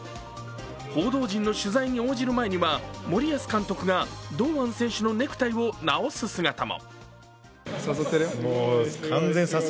報道陣の取材に応じる前には、森保監督が堂安選手のネクタイを直す姿も。